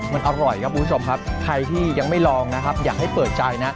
มันอร่อยครับคุณผู้ชมครับใครที่ยังไม่ลองนะครับอยากให้เปิดใจนะ